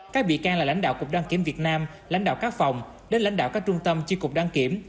các bị can là lãnh đạo cục đăng kiểm việt nam lãnh đạo các phòng đến lãnh đạo các trung tâm chi cục đăng kiểm